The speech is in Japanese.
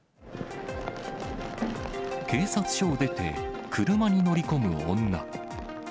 警察署を出て車に乗り込む女。